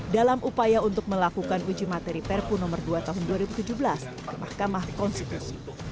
dalam upaya untuk melakukan uji materi perpu nomor dua tahun dua ribu tujuh belas ke mahkamah konstitusi